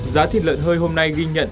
giá thịt lợn hơi hôm nay ghi nhận